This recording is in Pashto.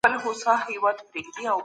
انساني حقونه د پولو پوري محدود نه دي.